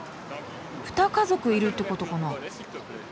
二家族いるってことかな。